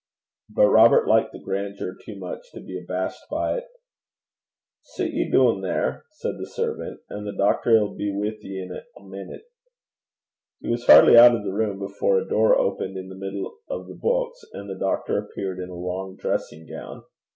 But Robert liked the grandeur too much to be abashed by it. 'Sit ye doon there,' said the servant, 'and the doctor 'ill be wi' ye in ae minute.' He was hardly out of the room before a door opened in the middle of the books, and the doctor appeared in a long dressing gown.